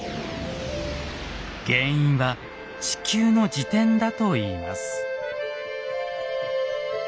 原因は地球の自転だといいます。